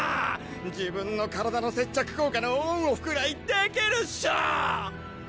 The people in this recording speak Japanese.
自分の体の接着効果のオン・オフくらいできるっショ。